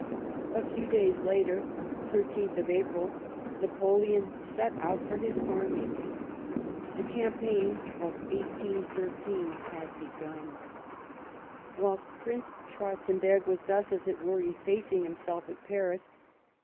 * A few days later, loth April, Napoleon set out for his army. The campaign of 1813 had begun. Whilst Prince Schwarzenberg was thus, as it were, effacing himself at Paris, and M.